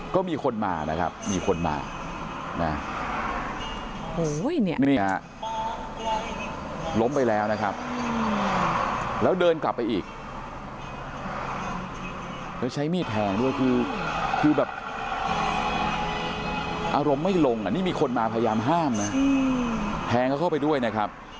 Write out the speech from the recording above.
ก็มีคนมานะครับมีคนมานะนี่ฮะล้มไปแล้วนะครับแล้วเดินกลับไปอีกแล้วใช้มีดแทงด้วยคือแบบอารมณ์ไม่ลงอ่ะนี่มีคนมาพยายามห้ามนะแทงเขาเข้าไปด้วยนะครับ